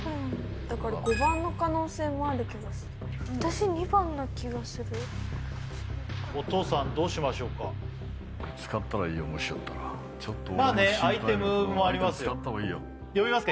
だから５番の可能性もある気がする私２番な気がするお父さんどうしましょうか使ったらいいよもしだったらちょっと俺も心配まあねアイテムもありますから呼びますか？